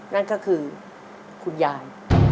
นั่นก็คือคุณยาย